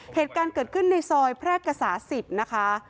เหตุการณ์เกิดขึ้นในซอยแพร่กษา๑๐นะคะ